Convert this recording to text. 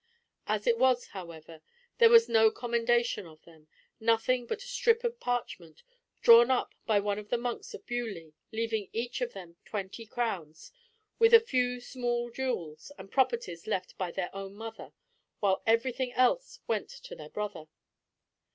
As it was, however, there was no commendation of them, nothing but a strip of parchment, drawn up by one of the monks of Beaulieu, leaving each of them twenty crowns, with a few small jewels and properties left by their own mother, while everything else went to their brother.